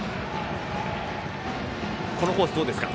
このコースどうですか？